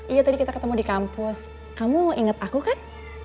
iya tadi kita ketemu di kampus kamu inget aku kan